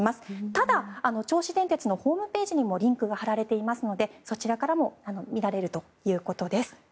ただ銚子電鉄のホームページにもリンクが張られていますのでそちらからも見られるということです。